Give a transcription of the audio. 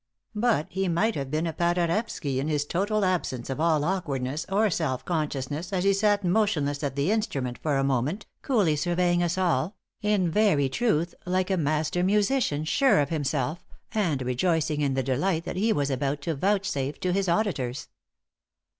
But he might have been a Paderewski in his total absence of all awkwardness or self consciousness as he sat motionless at the instrument for a moment, coolly surveying us all, in very truth like a master musician sure of himself and rejoicing in the delight that he was about to vouchsafe to his auditors.